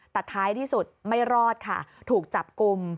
แต่ท้ายที่สุดไม่รอดค่ะถูกจับกลุ่ม